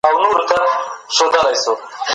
کوتره 🕊️